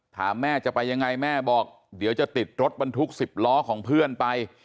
แม่จะไปยังไงแม่บอกเดี๋ยวจะติดรถบรรทุก๑๐ล้อของเพื่อนไป